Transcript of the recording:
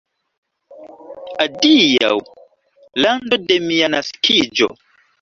Adiaŭ, lando de mia naskiĝo!